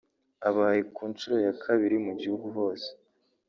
abaye ku nshuro ya kabiri mu gihugu hose